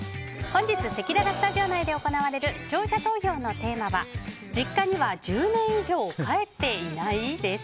本日せきららスタジオ内で行われる視聴者投票のテーマは実家には１０年以上帰っていない？です。